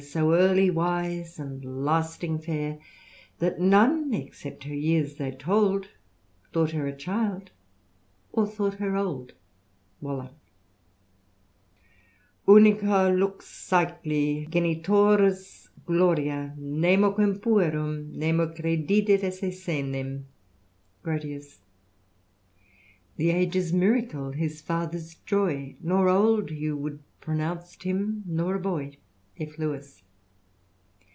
So early wise, and lasting fair, That none, except her years they told, Thought her a child, or thought her old." Waller. " Unica lux soscli^ genitorts gloria^ nemo Quern pturum^ nemo credidit esse senem. G&OTIUS. " The age's miracle, his father's joy 1 Nor old you wou'd pronounce him, nor a boy." F. Lbwis.